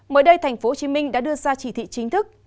mới đây tp hcm đã đưa ra chỉ thị chính thức